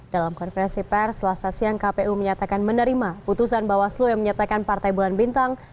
dalam konferensi per selasa siang kpu menyatakan menerima putusan bawaslu yang menyatakan partai bulan bintang